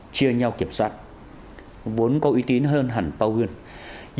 chia nhau kiểm soát vốn có uy tín hơn hẳn pau huynh